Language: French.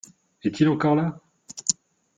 Est-il encore là ?